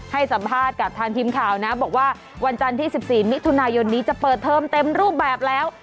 ให้สัมภาษณ์กับทางทีมข่าวนะบอกว่าวันจันทร์ที่๑๔มิถุนายนนี้จะเปิดเทอมเต็มรูปแบบแล้ว